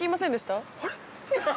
あれ？